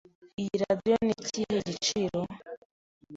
Iyi radiyo ni ikihe giciro?